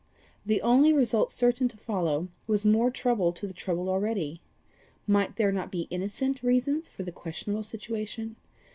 The only result certain to follow, was more trouble to the troubled already. Might there not be innocent reasons for the questionable situation?